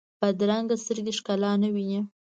بدرنګه سترګې ښکلا نه ویني